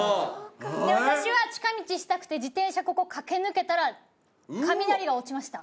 で私は近道したくて自転車ここ駆け抜けたら雷が落ちました。